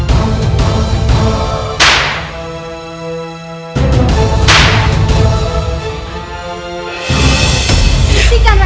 kau yang akan menggantikan hukumannya